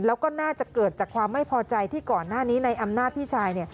แล้วก็น่าจะเกิดจากความไม่พอใจที่ก่อนหน้านี้ในอำนาจพี่ชาย